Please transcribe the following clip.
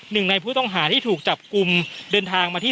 หนึ่งในผู้ต้องหาที่ถูกจับกลุ่มเดินทางมาที่